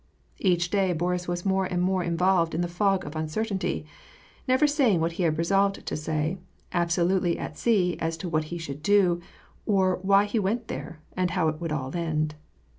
Each day Boris was more and more involved in the fog of uncertainty, never saying what he had resolved to say, absolutely at sea as to what he should do, or why he went there, and how it would all end.